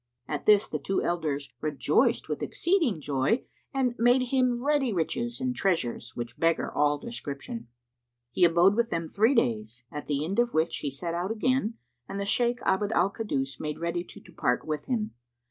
At this the two elders rejoiced with exceeding joy and made him ready riches and treasures which beggar all description. He abode with them three days, at the end of which he set out again and the Shaykh Abd al Kaddus made ready to depart with him.